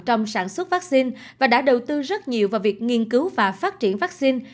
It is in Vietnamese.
trong sản xuất vaccine và đã đầu tư rất nhiều vào việc nghiên cứu và phát triển vaccine